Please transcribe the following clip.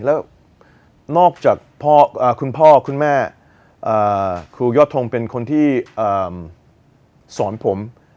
แล้วนอกจากคุณพ่อคุณแม่ครูยอดทงเป็นคนที่สอนผม